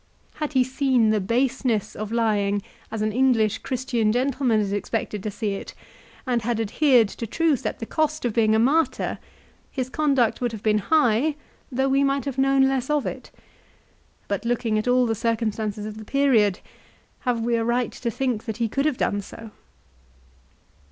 Had he seen the baseness of lying as an English Christian gentleman is expected to see it, and had adhered to truth at the cost of being a martyr, his conduct would have been high though we might have known less of it; but looking at all the circumstances of the period have we a right to think that he could have done so